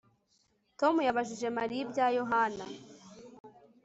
Tom yabajije Mariya ibya Yohana